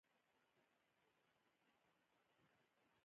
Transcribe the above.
ما ورته وویل چې راشه شهرک طلایې ته.